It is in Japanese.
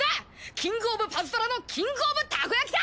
キング・オブ・パズドラのキング・オブ・たこやきだ！